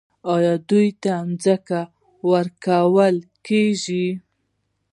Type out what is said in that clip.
آیا دوی ته ځمکه ورکول کیږي؟